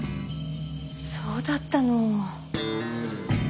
そうだったの。